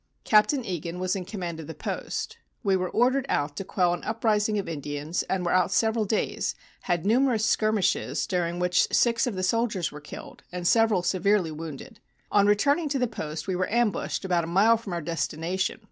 Captain Egan was in command of the post. We were ordered out to quell an uprising of Indians, and were out several days, had numerous skirmishes during which six of the soldiers were killed and several severely wounded. On returning to the post we were ambushed about a mile from our destination.